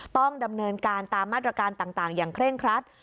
ต้องดำเนินการตามมาตรการต่างอย่างเคร่งครัด